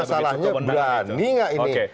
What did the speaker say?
masalahnya berani gak ini